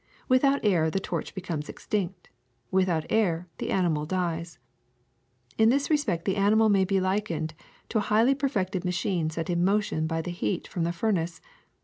Without air the torch becomes extinct; without air the animal dies. In this respect the animal may be likened to a highly perfected machine set in motion by the heat from a furnace.